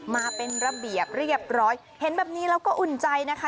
มาเป็นระเบียบเรียบร้อยเห็นแบบนี้แล้วก็อุ่นใจนะคะ